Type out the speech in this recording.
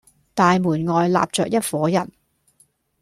大門外立着一夥人，